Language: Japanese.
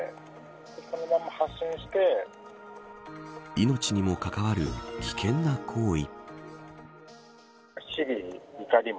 命にも関わる危険な行為。